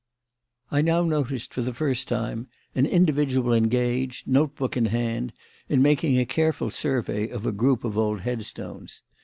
I now noticed, for the first time, an individual engaged, note book in hand, in making a careful survey of a group of old headstones.